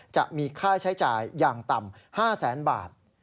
จะมีค่าใช้จ่ายอย่างต่ำ๕แสนบาท